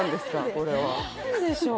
これは何でしょう？